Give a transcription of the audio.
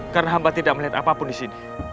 karena hamba tidak melihat apapun disini